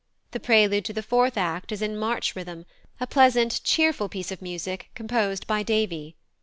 The prelude to the fourth act is in march rhythm, a pleasant, cheerful piece of music, composed by Davy.